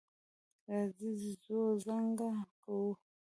راځئ ځو څخنک کوو.